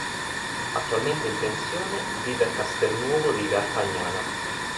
Attualmente in pensione, vive a Castelnuovo di Garfagnana.